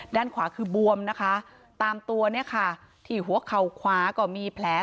ด้านขวาคือบวมนะคะตามตัวเนี่ยค่ะที่หัวเข่าขวาก็มีแผล